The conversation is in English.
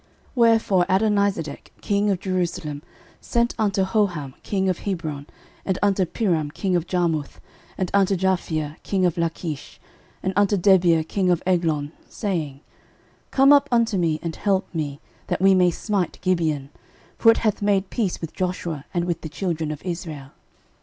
06:010:003 Wherefore Adonizedec king of Jerusalem, sent unto Hoham king of Hebron, and unto Piram king of Jarmuth, and unto Japhia king of Lachish, and unto Debir king of Eglon, saying, 06:010:004 Come up unto me, and help me, that we may smite Gibeon: for it hath made peace with Joshua and with the children of Israel.